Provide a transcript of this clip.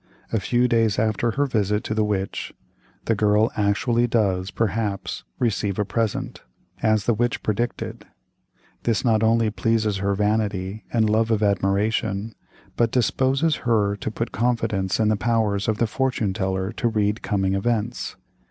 A few days after her visit to the witch, the girl actually does, perhaps, receive a present, as the witch predicted; this not only pleases her vanity and love of admiration, but disposes her to put confidence in the powers of the fortune teller to read coming events.